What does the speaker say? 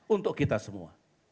untuk kita semua